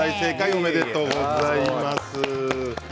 おめでとうございます。